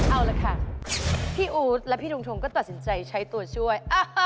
เอาละค่ะพี่อู๊ดและพี่ทงชงก็ตัดสินใจใช้ตัวช่วย